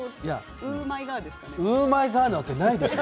ウーマイガーですかね。